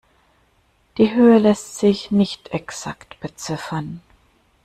Die Höhe lässt sich nicht exakt beziffern.